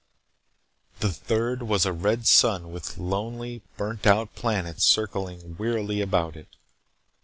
The third was a red sun with lonely burned out planets circling wearily about it.